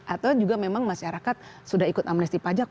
atau juga memang masyarakat sudah ikut amnesti pajak